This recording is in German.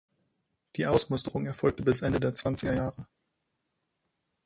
Die Ausmusterung erfolgte bis Ende der zwanziger Jahre.